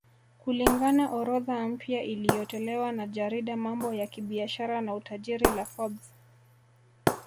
Kulingana orodha mpya iliyotolewa na jarida mambo ya kibiashara na utajiri la Forbes